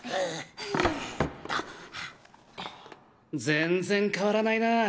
全然変わらないなぁ。